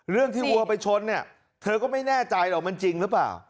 เรื่องที่วัวไปชนเนี่ยเธอก็ไม่แน่ใจหรอกมันจริงหรือเปล่า